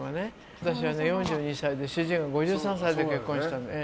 私は４２歳で主人が５３歳で結婚したの。